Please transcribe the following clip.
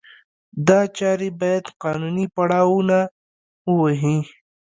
دا چارې باید قانوني پړاونه ووهي.